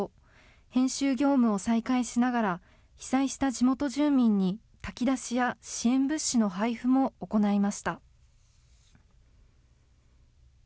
編集業務を再開しながら、被災した地元住民に炊き出しや支援物資の配付も行いました。